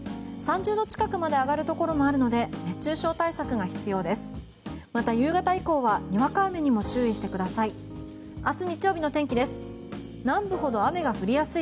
３０度近くまで上がるところもあるので熱中症対策が必要です。